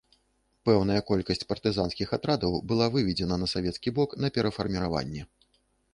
Пэўная колькасць партызанскіх атрадаў была выведзена на савецкі бок на перафарміраванне.